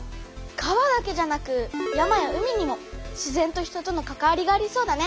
川だけじゃなく山や海にも自然と人とのかかわりがありそうだね。